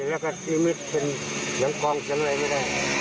แล้วก็นิมิติเป็นเสียงกลองเสียงอะไรไม่ได้